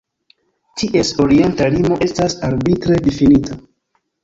Ties orienta limo estas arbitre difinita.